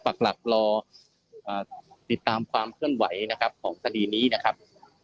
ปากหลักรอติดตามความเคลื่อนไหวนะครับของคดีนี้นะครับ